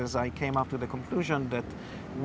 saya menemukan kesimpulan bahwa